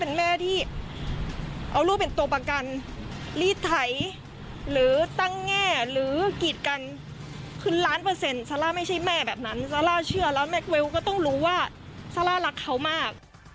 นะคะก็พูดทั้งน้ำตาเลยเนอะ